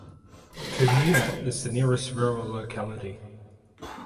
Kommuna is the nearest rural locality.